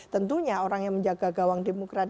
tentunya orang yang menjaga gawang demokrat